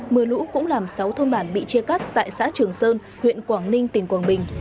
mưa lũ cũng làm sáu thôn bản bị chia cắt tại xã trường sơn huyện quảng ninh tỉnh quảng bình